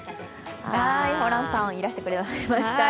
ホランさん、いらしてくれました。